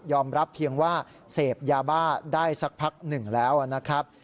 รับเพียงว่าเสพยาบ้าได้สักพักหนึ่งแล้วนะครับ